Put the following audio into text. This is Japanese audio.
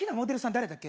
誰やっけ？」